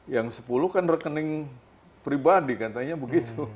yang sepuluh kan rekening pribadi katanya begitu